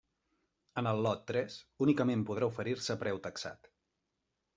En el lot tres únicament podrà oferir-se preu taxat.